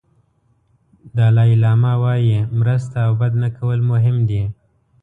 دالای لاما وایي مرسته او بد نه کول مهم دي.